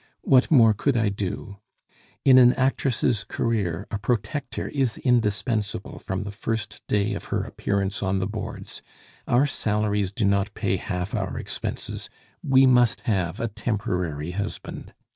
What more could I do? In an actress' career a protector is indispensable from the first day of her appearance on the boards. Our salaries do not pay half our expenses; we must have a temporary husband.